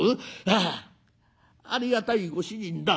『ああありがたいご主人だ。